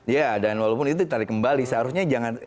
ya dan walaupun itu ditarik kembali seharusnya jangan